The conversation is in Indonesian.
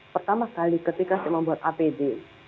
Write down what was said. pertama kali ketika saya membuat apd